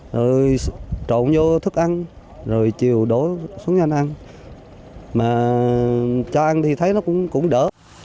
rồi trộn vô thức ăn rồi chiều đổ xuống anh ăn mà cho ăn thì thấy nó cũng đỡ